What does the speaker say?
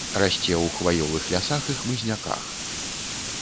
Расце ў хваёвых лясах і хмызняках.